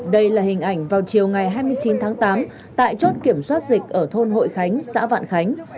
đây là hình ảnh vào chiều ngày hai mươi chín tháng tám tại chốt kiểm soát dịch ở thôn hội khánh xã vạn khánh